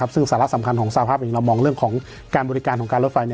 ซึ่งสาระสำคัญของสภาพเองเรามองเรื่องของการบริการของการรถไฟ